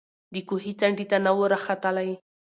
د کوهي څنډي ته نه وو راختلی